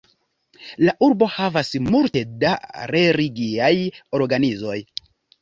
La urbo havas multe da religiaj organizoj.